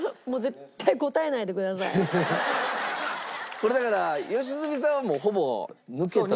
これだから良純さんはもうほぼ抜けたと言っても。